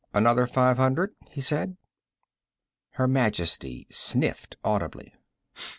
"Another five hundred?" he said. Her Majesty sniffed audibly.